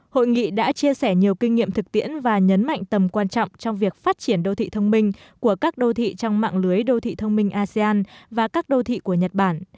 hội nghị đã chia sẻ nhiều kinh nghiệm thực tiễn và nhấn mạnh tầm quan trọng trong việc phát triển đô thị thông minh của các đô thị trong mạng lưới đô thị thông minh asean và các đô thị của nhật bản